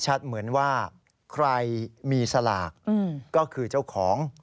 เหมือนว่าใครมีสลากก็คือเจ้าของ